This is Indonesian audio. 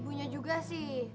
ibunya juga sih